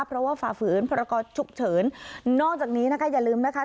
เพราะว่าฝ่าฝืนพรกรฉุกเฉินนอกจากนี้นะคะอย่าลืมนะคะ